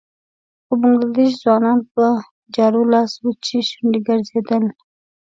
څو بنګله دېشي ځوانان په جارو لاس وچې شونډې ګرځېدل.